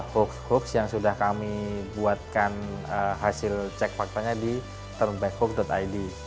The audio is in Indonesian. hoax hoax yang sudah kami buatkan hasil cek faktanya di termbackhoop id